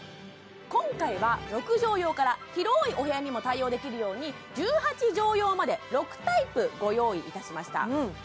今回は６畳用から広いお部屋にも対応できるように１８畳用まで６タイプご用意いたしました